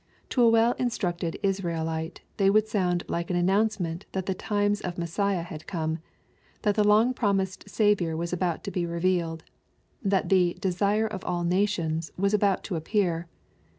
To a well instructed Israelite, tb?y would sound like an announce ment that the titnes of Messiah had come, — that the long promised Saviour was about to be revealed, — ^that the " desire of all nations" was about to appear.